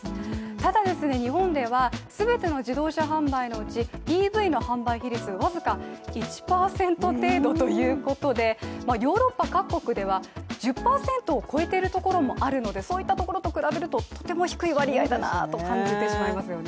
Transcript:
ただ日本では、全ての自動車販売のうちＥＶの販売比率が僅か１％程度ということで、ヨーロッパ各国では１０％を超えているところもあるのでそういったところと比べるととても低い割合だなと感じますね。